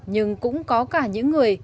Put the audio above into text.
nhưng cũng có cả những người